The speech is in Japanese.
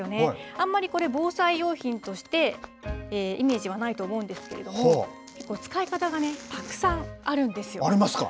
あんまりこれ、防災用品としてイメージはないと思うんですけれども、使い方がたくさんあるんですありますか。